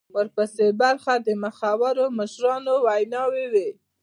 ورپسې برخه د مخورو مشرانو ویناوي وې.